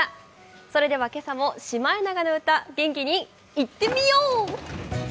今朝も「シマエナガの歌」、元気にいってみよう。